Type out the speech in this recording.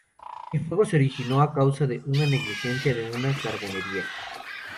El fuego se originó a causa de una negligencia de una carbonería.